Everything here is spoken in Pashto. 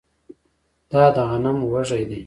دا د غنم وږی دی